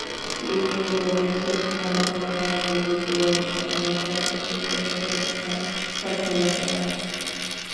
তিনি বলেছেন, প্রাণহানি এড়াতে দুর্যোগ ব্যবস্থাপনায় সরকারকে প্রশাসনিক সক্ষমতা বাড়াতে হবে।